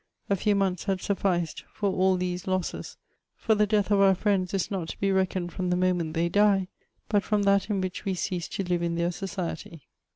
A few months had sufficed for all these losses, for the death of our friends is not to be reckoned from the moment they die, but from that in which we cease to live in their society.